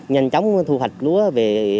nhanh chóng thu hoạch lúa về